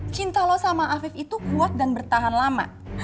cinta lo sama afif itu kuat dan bertahan lama